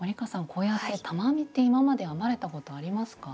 こうやって玉編みって今まで編まれたことありますか？